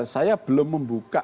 saya belum membuka